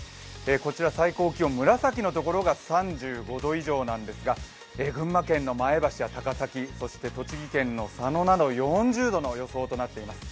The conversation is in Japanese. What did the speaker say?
こちら、最高気温、紫のところが３５度以上なんですが、群馬県の前橋や高崎、そして栃木県の佐野など４０度の予想となっています。